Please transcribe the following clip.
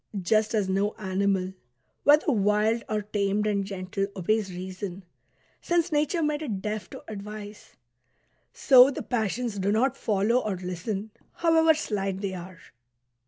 Just as no animal, whether wild or tamed and gentle, obeys reason, since nature made it deaf to advice ; so the passions do not follow or listen, however slight they are.